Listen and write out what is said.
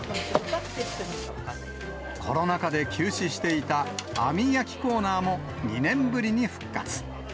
コロナ禍で休止していた網焼きコーナーも、２年ぶりに復活。